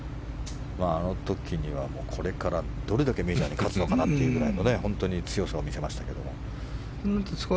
あの時にはこれからどれだけメジャーで勝つのかなというくらいの強さを見せましたけども。